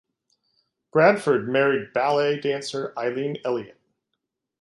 Bradford married ballet dancer Eileen Elliott.